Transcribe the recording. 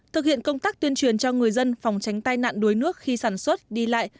thực hiện công tác tuyên truyền cho người dân phòng tránh tai nạn đuối nước khi sản xuất đi lại